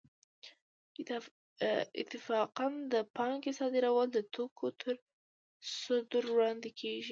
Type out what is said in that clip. اتفاقاً د پانګې صادرول د توکو تر صدور وړاندې کېږي